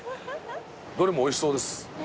どれもおいしそうです。